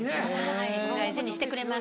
はい大事にしてくれます。